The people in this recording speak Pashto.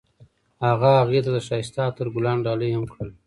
هغه هغې ته د ښایسته عطر ګلان ډالۍ هم کړل.